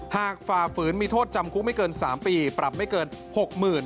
ฝ่าฝืนมีโทษจำคุกไม่เกิน๓ปีปรับไม่เกิน๖๐๐๐บาท